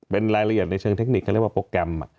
เป็นรายละเอียดในเชิงเทคนิคเขาเรียกว่าโปรแกรม